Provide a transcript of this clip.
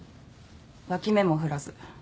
脇目も振らず。